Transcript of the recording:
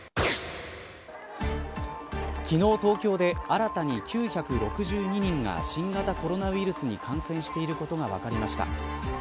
昨日、東京で新たに９６２人が新型コロナウイルスに感染していることが分かりました。